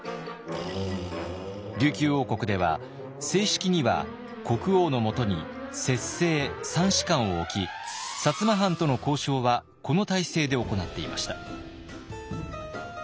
琉球王国では正式には国王のもとに摂政三司官を置き摩藩との交渉はこの体制で行っていました。